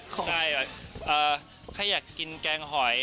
ใช่ใครอยากกินแกงหอย